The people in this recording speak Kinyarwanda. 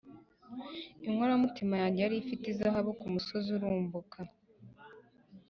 Inkoramutima yanjye yari ifite umuzabibu, ku musozi urumbuka.